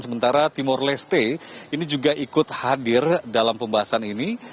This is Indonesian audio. sementara timor leste ini juga ikut hadir dalam pembahasan ini